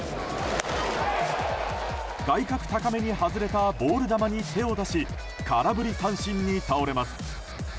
外角高めに外れたボール球に手を出し空振り三振に倒れます。